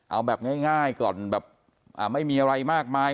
เอาแบบง่ายก่อนแบบไม่มีอะไรมากมาย